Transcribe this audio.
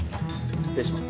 失礼します。